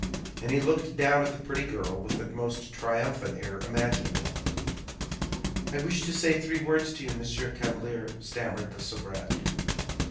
And he looked down at the pretty girl with the most triumphant air imaginable. "I wish to say three words to you, Monsieur Chevalier," stammered the soubrette.